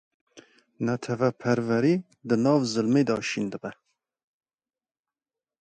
Netewperwerî di nav zilmê da şîn dibe.